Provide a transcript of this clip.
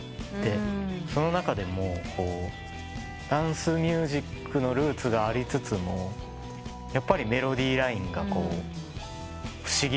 その中でもダンスミュージックのルーツがありつつもやっぱりメロディーラインが不思議というか。